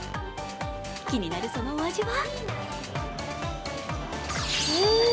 気になる、そのお味は？